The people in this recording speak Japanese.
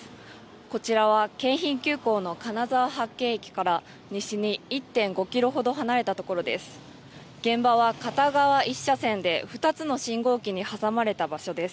こちらは京浜急行の金沢八景駅から西に１．５ｋｍほど離れたところです。